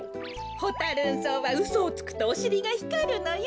ホタ・ルン草はうそをつくとおしりがひかるのよ。